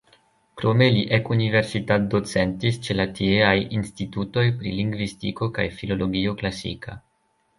Krome li ekuniversitatdocentis ĉe la tieaj institutoj pri lingvistiko kaj filologio klasika.